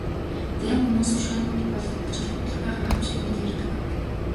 Зарим хүмүүс хөшөөнүүд бол ач холбогдолгүй гайхамшиг мэт ярьдаг.